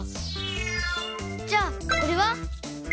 じゃこれは？